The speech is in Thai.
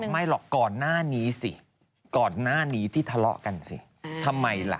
ไม่หรอกก่อนหน้านี้สิก่อนหน้านี้ที่ทะเลาะกันสิทำไมล่ะ